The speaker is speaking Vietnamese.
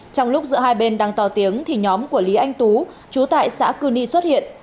trong lúc giữa hai bên đang to tiếng thì nhóm của lý anh tú chú tại xã cư ni xuất hiện